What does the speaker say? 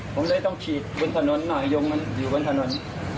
ผมเลยต้องฉีดบนถนนหน่อยยมมันอยู่บนถนน